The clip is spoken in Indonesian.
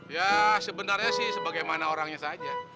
ya sebenarnya sih sebagaimana orangnya saja